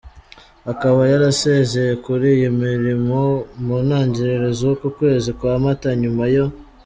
akaba yarasezeye kuri iyi mirimo mu ntangiriro zuku kwezi kwa Mata nyuma yo.